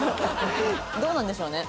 どうなんでしょうね？